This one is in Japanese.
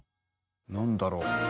なんだろう？